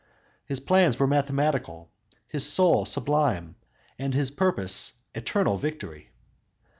His plans were mathematical, his soul sublime and his purpose eternal victory!